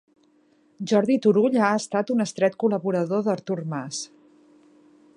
Jordi Turull ha estat un estret col·laborador d'Artur Mas